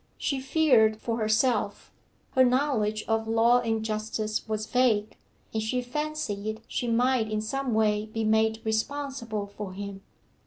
She feared for herself; her knowledge of law and justice was vague, and she fancied she might in some way be made responsible for him.